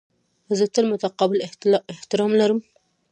زه تل متقابل احترام لرم.